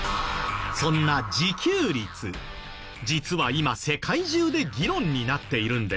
そんな自給率実は今世界中で議論になっているんです。